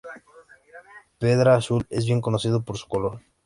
Pedra Azul es bien conocido por su color.